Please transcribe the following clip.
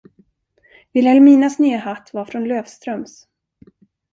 Vilhelminas nya hatt var från Löfströms.